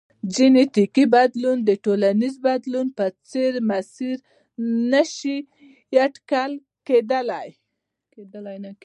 جنیټیکي بدلون د ټولنیز بدلون په څېر مسیر نه شي اټکل کېدای.